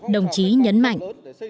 đồng chí nhấn mạnh